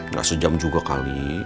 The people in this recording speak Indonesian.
gak sejam juga kali